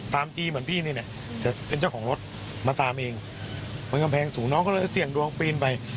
จีเหมือนพี่นี่แหละจะเป็นเจ้าของรถมาตามเองบนกำแพงสูงน้องก็เลยเสี่ยงดวงปีนไป